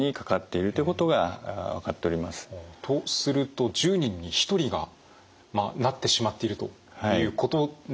とすると１０人に１人がまあなってしまっているということなんですね。